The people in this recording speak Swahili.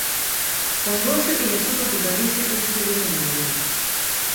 kongosho inashindwa kuzalisha insulini mwilini